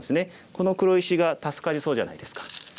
この黒石が助かりそうじゃないですか。